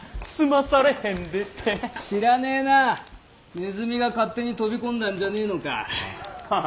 ネズミが勝手に飛び込んだんじゃねえのか。